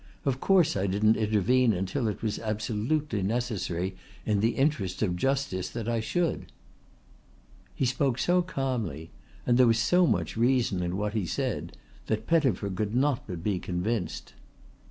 Of course I didn't intervene until it was absolutely necessary in the interests of justice that I should." He spoke so calmly, there was so much reason in what he said, that Pettifer could not but be convinced.